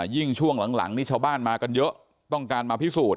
ยิ่งช่วงหลังนี่ชาวบ้านมากันเยอะต้องการมาพิสูจน